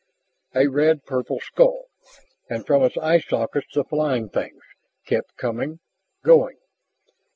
A red purple skull and from its eye sockets the flying things kept coming ... going....